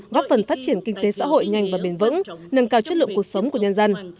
góp phần phát triển kinh tế xã hội nhanh và bền vững nâng cao chất lượng cuộc sống của nhân dân